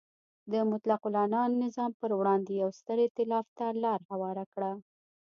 د مطلقه العنان نظام پر وړاندې یو ستر ایتلاف ته لار هواره کړه.